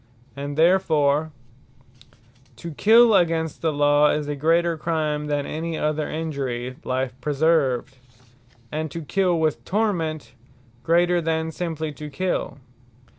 And therefore To kill against the Law, is a greater Crime, that any other injury, life preserved. And to kill with Torment, greater, than simply to kill.